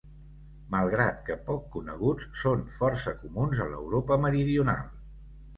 Malgrat que poc coneguts, són força comuns a l'Europa meridional.